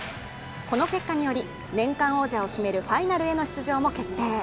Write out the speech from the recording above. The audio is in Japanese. この結果により、年間王者を決めるファイナルへの出場も決定。